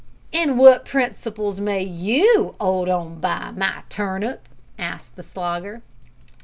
"An' wot principles may you 'old on by, my turnip?" asked the Slogger.